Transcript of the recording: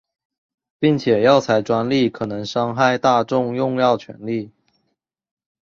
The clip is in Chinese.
并且药材专利可能伤害大众用药权利。